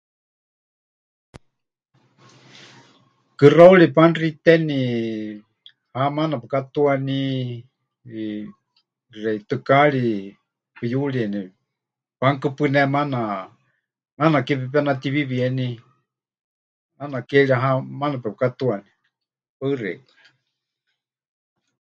Kɨxauri panuxiteni, ha maana pukatuaní, eh, xeitɨkaari puyurieni, panukupɨné maana, ʼaana ke pepenatiwiwieni, ʼaana ke ri ha maana pepɨkatuaní. Paɨ xeikɨ́a.